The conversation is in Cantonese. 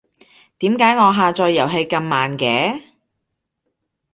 點解我下載遊戲咁慢嘅？